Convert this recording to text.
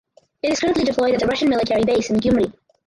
It is currently deployed at the Russian Military Base in Gyumri.